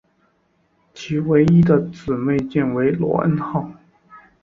其唯一的姊妹舰为罗恩号。